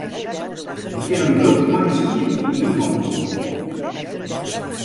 Der kinne in bult makke skiep yn ien hok.